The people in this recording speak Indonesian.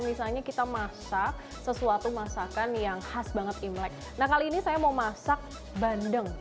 misalnya kita masak sesuatu masakan yang khas banget imlek nah kali ini saya mau masak bandeng